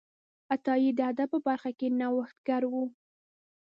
عطایي د ادب په برخه کې نوښتګر و.